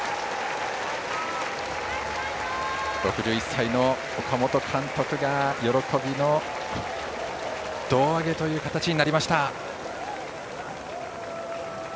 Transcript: ６１歳の岡本監督が喜びの胴上げという形になりました。